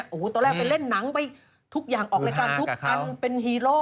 โอ้โหตอนแรกไปเล่นหนังไปทุกอย่างออกรายการทุกอันเป็นฮีโร่